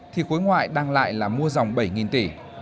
thì khối ngoại đang lại là mua dòng bảy tỷ